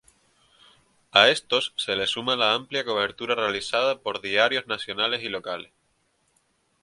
A estos se suma la amplia cobertura realizada por diarios nacionales y locales.